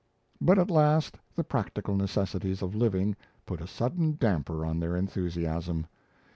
But at last the practical necessities of living put a sudden damper on their enthusiasm.